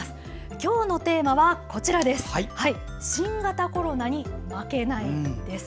今日のテーマは「新型コロナに負けない」です。